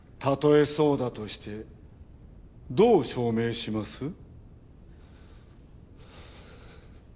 例えそうだとしてどう証明します？